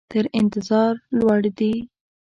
تر انتظار لوړ دي.